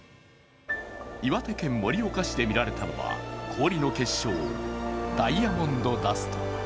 岩手県盛岡市で見られたのは氷の結晶、ダイヤモンドダスト。